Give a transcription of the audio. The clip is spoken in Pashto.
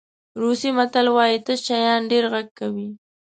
روسي متل وایي تش شیان ډېر غږ کوي.